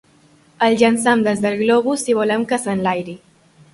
El llancem des del globus si volem que s'enlairi.